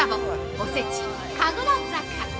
おせち「神楽坂」。